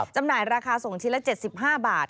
จำหน่ายราคาส่งชิ้นละ๗๕บาท